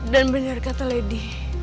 dan bener kata lady